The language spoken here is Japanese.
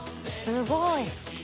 すごい。